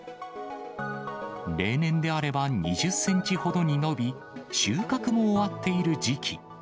例年であれば２０センチほどに伸び、収穫も終わっている時期。